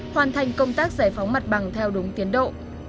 hoàn thành công tác giải phóng mặt bằng theo đúng tiến độ